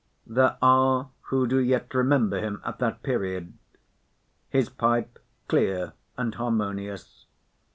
There are who do yet remember him at that period—his pipe clear and harmonious.